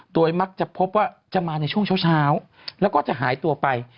โดยมักจะพบว่าจะมาในช่วงเช้าแล้วก็จะหายตัวไป